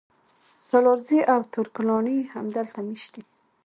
سالارزي او ترک لاڼي هم دلته مېشت دي